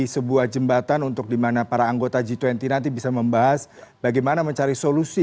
sebuah jembatan untuk dimana para anggota g dua puluh nanti bisa membahas bagaimana mencari solusi